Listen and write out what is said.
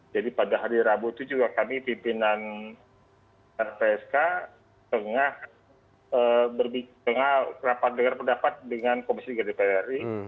jadi pada hari rabu itu juga kami pimpinan lpsk tengah rapat dengan pendapat dengan komisi tiga dpr ri